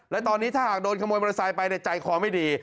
และตอนนี้ถ้าหากโดนขโมยมอเตอร์ไซค์ไปในใจคอไม่ดี